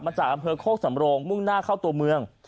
จากอำเภอโคกสำโรงมุ่งหน้าเข้าตัวเมือง